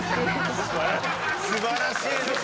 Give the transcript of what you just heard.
素晴らしいですね。